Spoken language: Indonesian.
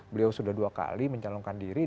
beliau sudah dua kali mencalonkan diri